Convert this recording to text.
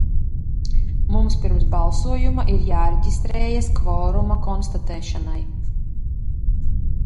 Mums pirms balsojuma ir jāreģistrējas kvoruma konstatēšanai.